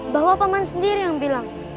bahwa paman sendiri yang bilang